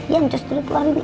yang justru keluar